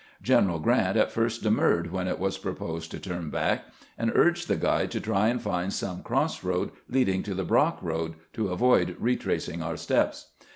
General Grant at first de murred when it was proposed to turn back, and urged the guide to try and find some cross road leading to the Brock road, to avoid retracing our steps.